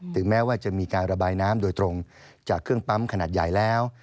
แม้ว่าจะมีการระบายน้ำโดยตรงจากเครื่องปั๊มขนาดใหญ่แล้ว